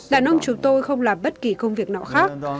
đàn ông chúng tôi không làm bất kỳ công việc nào khác